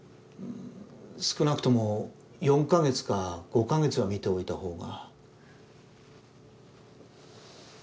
少なくとも４か月か５か月は見ておいたほうが。